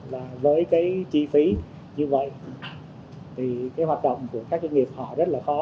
và với cái chi phí như vậy thì cái hoạt động của các doanh nghiệp họ rất là khó